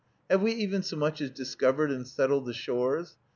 Have we even so much as discovered and settled the shores?